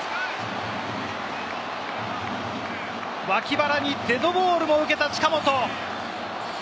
脇腹にデッドボールを受けた近本。